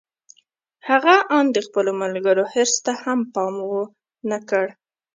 هغه آن د خپلو ملګرو حرص ته هم پام و نه کړ.